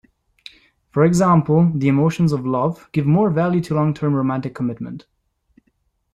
For example, the emotions of love give more value to long term romantic commitment.